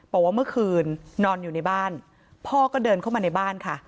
บอกว่าเมื่อคืนนอนอยู่ในบ้านพ่อก็เดินเข้ามาในบ้านค่ะ